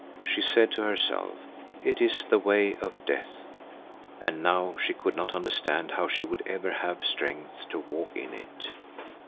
She said to herself: "It is the way of death." And now she could not understand how she would ever have the strength to walk in it.